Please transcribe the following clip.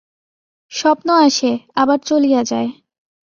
স্বপ্ন আসে, আবার চলিয়া যায়।